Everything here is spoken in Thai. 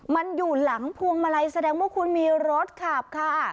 มันอยู่หลังพวงมาลัยแสดงว่าคุณมีรถขับค่ะ